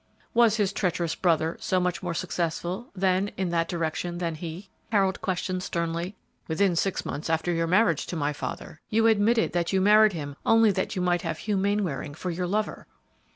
"Was his treacherous brother so much more successful then in that direction than he?" Harold questioned, sternly. "Within six months after your marriage to my father, you admitted that you married him only that you might have Hugh Mainwaring for your lover."